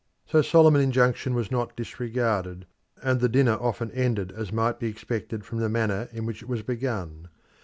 So solemn an injunction was not disregarded, and the dinner often ended as might be expected from the manner in which it was begun.